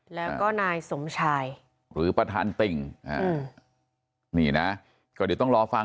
แล้วก็นายสมชายหรือประธานติ่งนี่นะก็เดี๋ยวต้องรอฟัง